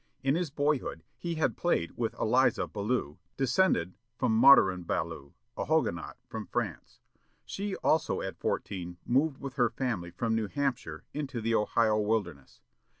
In his boyhood, he had played with Eliza Ballou, descended from Maturin Ballou, a Huguenot, from France. She also at fourteen moved with her family from New Hampshire, into the Ohio wilderness.